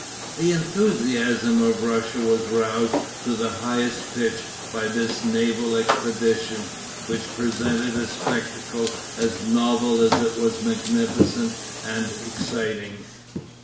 The enthusiasm of Russia was roused to the highest pitch by this naval expedition, which presented a spectacle as novel as it was magnificent and exciting.